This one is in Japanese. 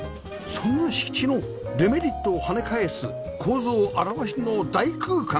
そんな敷地のデメリットを跳ね返す構造現しの大空間